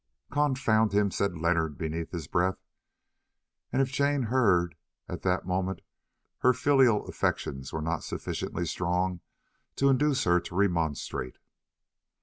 "Confound him!" said Leonard beneath his breath; and if Jane heard, at that moment her filial affections were not sufficiently strong to induce her to remonstrate.